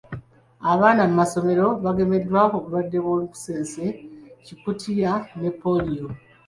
Abaana mu masomero bagemeddwa obulwadde bw'olukusense-Kikutiya ne ppooliyo